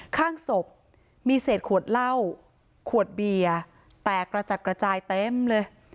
ข้างศพมีเศษขวดเหล้าขวดเบียร์แตกกระจัดกระจายเต็มเลย